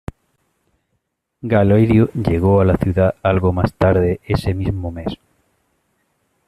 Galerio llegó a la ciudad algo más tarde ese mismo mes.